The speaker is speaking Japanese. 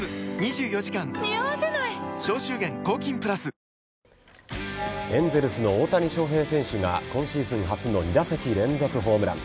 近畿日本ツーリストは背景にエンゼルスの大谷翔平選手が今シーズン初の２打席連続ホームラン。